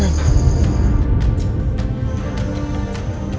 jangan sampai dia melakukan perawanan